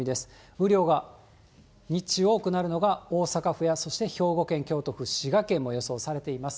雨量が日中多くなるのが、大阪府やそして兵庫県、京都府、滋賀県も予想されています。